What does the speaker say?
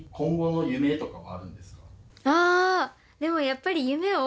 あでもやっぱり。